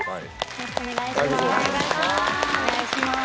よろしくお願いします。